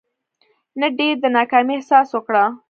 نه ډېر د ناکامي احساس وکړو.